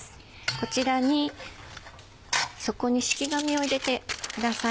こちらに底に敷紙を入れてください。